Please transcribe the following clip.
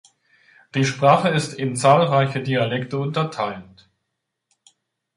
Die Sprache ist in zahlreiche Dialekte unterteilt.